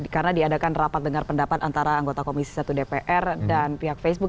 karena diadakan rapat dengar pendapat antara anggota komisi satu dpr dan pihak facebook